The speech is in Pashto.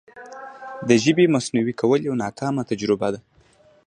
د ژبې مصنوعي کول یوه ناکامه تجربه ده.